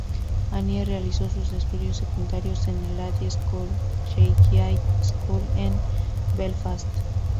Annie realizó sus estudios secundarios en el Ladies’ Collegiate School en Belfast.